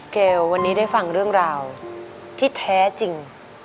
เกลวันนี้ได้ฟังเรื่องราวที่แท้จริง